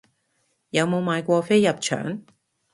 有冇買過飛入場